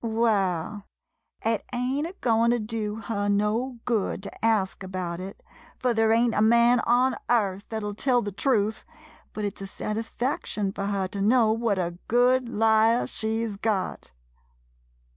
Waal, it ain't a goin' to do her no good to ask about it, fur there ain't a man on earth thet '11 tell the truth, but it 's a sat isfaction fur her to know what a good liar she 's got